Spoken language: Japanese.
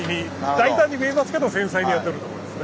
大胆に見えますけど繊細にやってるとこですね。